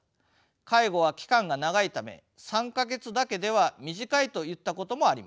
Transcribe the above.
介護は期間が長いため３か月だけでは短いといったこともあります。